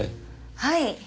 はい。